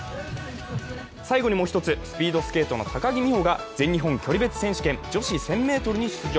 最後にもう１つ、スピードスケートの高木美帆が全日本距離別選手権・女子１０００ｍに出場。